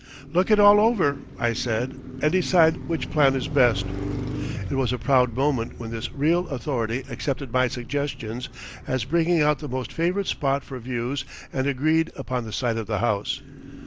"Look it all over," I said, "and decide which plan is best." It was a proud moment when this real authority accepted my suggestions as bringing out the most favoured spots for views and agreed upon the site of the house.